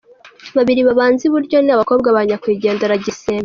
Babiri babanza iburyo ni abakobwa ba nyakwigendera Gisembe.